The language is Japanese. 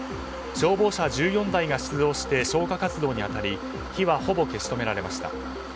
消防車１４台が出動して消火活動に当たり火はほぼ消し止められました。